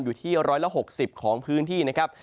อยู่ที่๑๖๐ของพื้นที่นะครับ